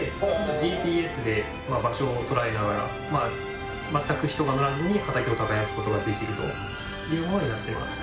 ＧＰＳで場所をとらえながらまったく人が乗らずに畑を耕すことができるというものになっています。